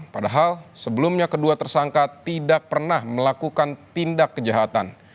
padahal sebelumnya kedua tersangka tidak pernah melakukan tindak kejahatan